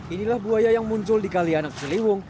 inilah buaya yang muncul di kali anak ciliwung